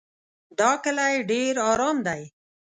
دا کلی ډېر ارام دی.